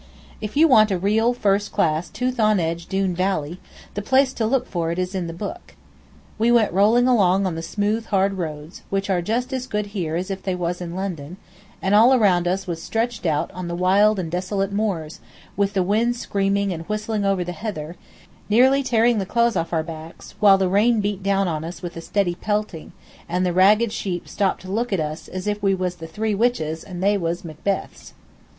If you want a real, first class, tooth on edge Doone valley, the place to look for it is in the book. We went rolling along on the smooth, hard roads, which are just as good here as if they was in London, and all around us was stretched out the wild and desolate moors, with the wind screaming and whistling over the heather, nearly tearing the clothes off our backs, while the rain beat down on us with a steady pelting, and the ragged sheep stopped to look at us, as if we was three witches and they was Macbeths.